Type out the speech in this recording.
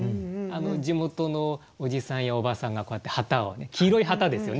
地元のおじさんやおばさんがこうやって旗をね黄色い旗ですよね。